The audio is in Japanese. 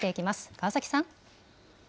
川崎さん。